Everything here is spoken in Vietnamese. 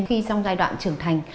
khi trong giai đoạn trưởng thành